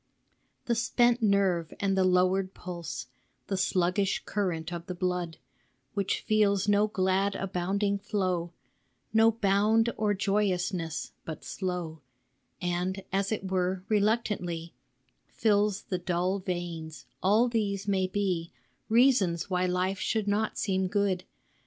THE spent nerve and the lowered pulse, The sluggish current of the blood Which feels no glad abounding flow, No bound or joyousness, but slow, And, as it were, reluctantly, Fills the dull veins, all these may be Reasons why life should not seem good.